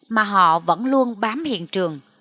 mà họ vẫn luôn bám hiện trường